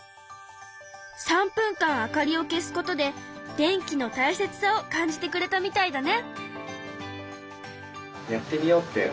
３分間明かりを消すことで電気のたいせつさを感じてくれたみたいだね。